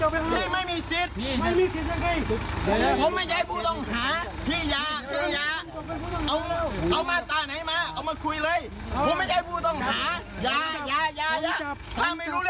พี่พี่ใจเองครับเออ